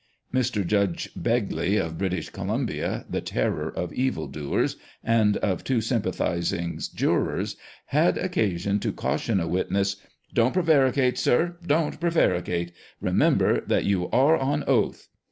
Mr. Justice Begbie, of British Columbia, the terror of evil doers, and of too sympathising jurors, had occasion to caution a witness. " Don't prevaricate, sir, don't prevaricate ; remember that you are on oath